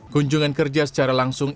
kunjungan kerja secara langsung